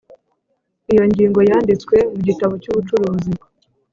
Iyo ngingo yanditswe mu gitabo cy’ubucuruzi